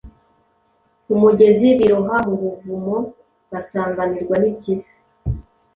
umugezi, biroha mu buvumo, basanganirwa n’impyisi.”